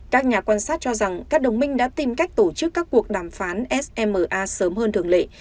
các nhà quan sát cho rằng các đồng minh đã tìm cách tổ chức các cuộc đàm phán sma sớm hơn thường lệ